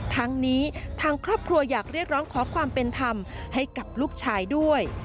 ทั้งนี้ทางครอบครัวอยากเรียกร้องขอความเป็นธรรมให้กับลูกชายด้วย